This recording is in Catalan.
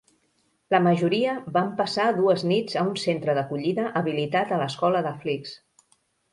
La majoria van passar dues nits a un centre d'acollida habilitat a l'escola de Flix.